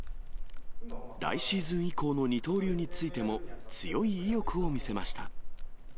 来シーズン以降の二刀流についても、強い意欲を見せました。